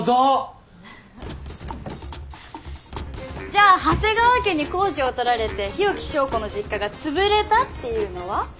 じゃあ長谷川家に工事をとられて日置昭子の実家が潰れたっていうのは？